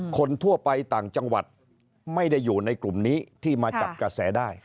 คนทั่วไปต่างจังหวัดไม่ได้อยู่ในกลุ่มนี้ที่มาจับกระแสได้